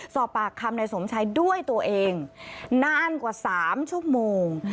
สอบปากคำนายสมชายด้วยตัวเองนานกว่า๓ชั่วโมง